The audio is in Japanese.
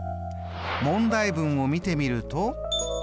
問題文を見てみると？